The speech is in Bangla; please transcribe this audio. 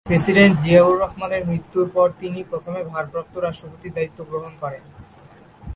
প্রেসিডেন্ট জিয়াউর রহমানের মৃত্যুর পর তিনি প্রথমে ভারপ্রাপ্ত রাষ্ট্রপতির দায়িত্ব গ্রহণ করেন।